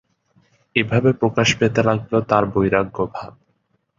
এভাবে প্রকাশ পেতে লাগলো তার বৈরাগ্যভাব।